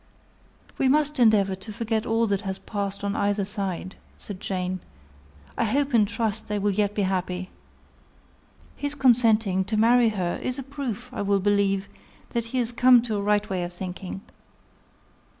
"We must endeavour to forget all that has passed on either side," said Jane: "I hope and trust they will yet be happy. His consenting to marry her is a proof, I will believe, that he is come to a right way of thinking.